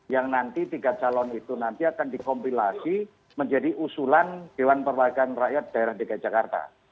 yang nanti tiga calon itu nanti akan dikompilasi menjadi usulan dewan perwakilan rakyat daerah dki jakarta